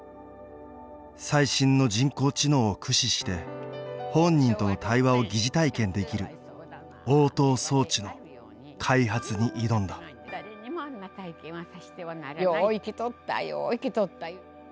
最新の人工知能を駆使して本人との対話を疑似体験できる「応答装置」の開発に挑んだよう生きとったよう生きとった。